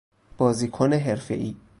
بازیکن حرفه ای